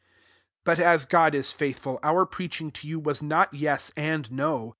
t 18 But as God i> faithful, our preaching to you was not yes and no.